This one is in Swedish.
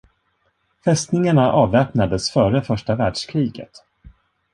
Fästningarna avväpnades före första världskriget.